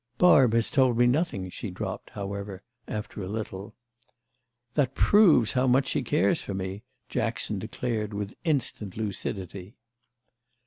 "Barb has told me nothing," she dropped, however, after a little. "That proves how much she cares for me!" Jackson declared with instant lucidity.